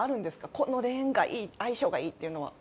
このレーンが相性がいいというのは。